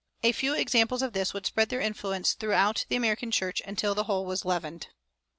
A few examples of this would spread their influence through the American church "until the whole was leavened."